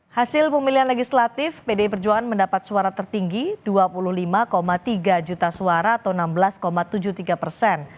hasil pemilihan legislatif pdi perjuangan mendapat suara tertinggi dua puluh lima tiga juta suara atau enam belas tujuh puluh tiga persen